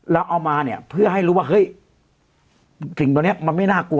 เอามาเนี่ยเพื่อให้รู้ว่าเฮ้ยสิ่งตัวนี้มันไม่น่ากลัว